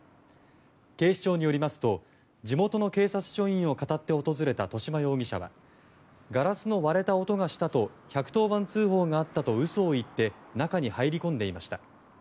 警視庁によりますと地元の警察署員をかたって訪れた戸嶋容疑者はガラスの割れた音がしたと１１０番通報があったと嘘を言って中に入り込んでいました。